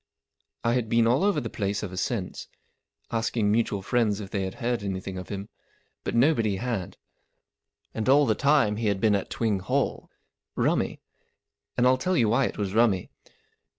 I had been all over the place ever since, asking mutual friends if they had heard anything of him, but nobody had. And all the time he had been at Twing Hall. Rummy. And I'll tell you why it was rummy.